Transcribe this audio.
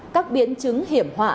các biến chứng hiểm họa